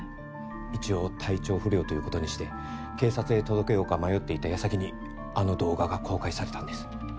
一応体調不良ということにして警察へ届けようか迷っていた矢先にあの動画が公開されたんです。